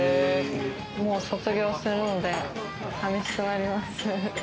もう卒業するので寂しくなります。